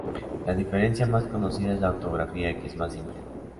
La diferencia más conocida es la ortografía, que es más simple.